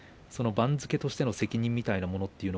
番付としての責任みたいなもの